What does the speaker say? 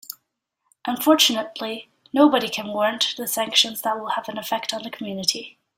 Unfortunately, nobody can warrant the sanctions that will have an effect on the community.